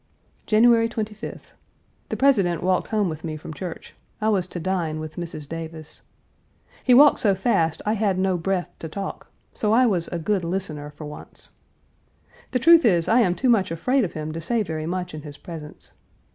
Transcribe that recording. January 25th. The President walked home with me from church (I was to dine with Mrs. Davis). He walked so fast I had no breath to talk; so I was a good listener for once. The truth is I am too much afraid of him to say very much in his presence.